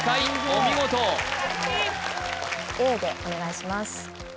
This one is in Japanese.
お見事Ａでお願いします